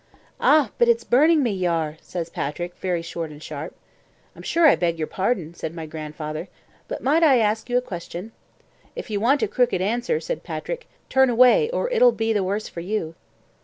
"Ah, but it's burning me ye are!" says Patrick, very short and sharp. "I'm sure I beg your pardon," said my grandfather "but might I ask you a question?" "If you want a crooked answer," said Patrick; "turn away or it'll be the worse for you."